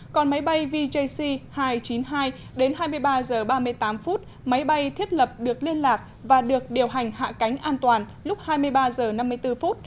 còn máy bay vjc hai trăm chín mươi hai đến hai mươi ba h ba mươi tám phút máy bay thiết lập được liên lạc và được điều hành hạ cánh an toàn lúc hai mươi ba h năm mươi bốn